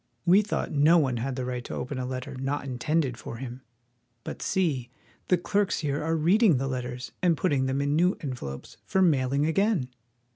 We thought no one had the right to open a letter not intended for him. But see! the clerks here are read ing the letters and putting them in new envelopes for mail ing again!